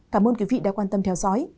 cảm ơn quý vị đã quan tâm theo dõi